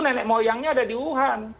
nenek moyangnya ada di wuhan